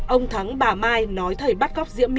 ông thắng bà mai nói thầy bắt góc diễm my